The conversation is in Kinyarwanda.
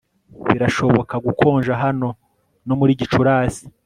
Birashobora gukonja hano no muri Gicurasi